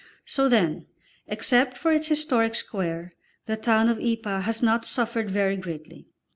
So then, except for its historic square, the town of Ypres has not suffered very greatly.